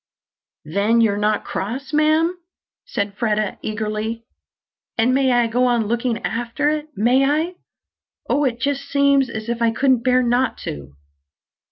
"Then you're not cross, ma'am?" said Freda eagerly. "And I may go on looking after it, may I? Oh, it just seems as if I couldn't bear not to!"